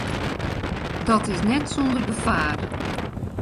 Dat is net sûnder gefaar.